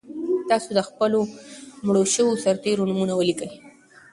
تاسو د خپلو مړو شویو سرتېرو نومونه ولیکئ.